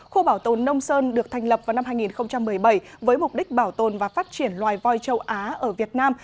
khu bảo tồn nông sơn được thành lập vào năm hai nghìn một mươi bảy với mục đích bảo tồn và phát triển loài voi châu á ở việt nam